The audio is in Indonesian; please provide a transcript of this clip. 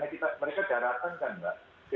karena mereka jarak kan mbak